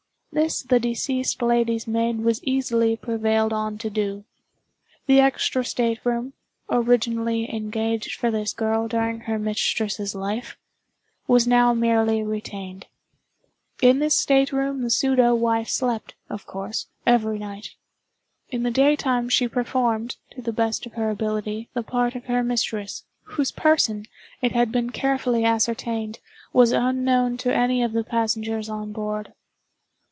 This the deceased lady's maid was easily prevailed on to do. The extra state room, originally engaged for this girl during her mistress' life, was now merely retained. In this state room the pseudo wife, slept, of course, every night. In the daytime she performed, to the best of her ability, the part of her mistress—whose person, it had been carefully ascertained, was unknown to any of the passengers on board.